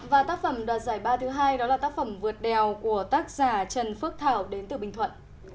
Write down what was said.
và tác phẩm đoạt giải ba thứ hai đó là tác phẩm vượt đèo của tác giả trần phước thảo đến từ bình thuận